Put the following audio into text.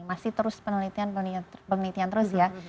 masih terus penelitian penelitian terus ya